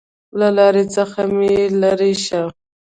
له لارې څخه مې لېرې شه!